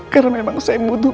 karena memang saya muduh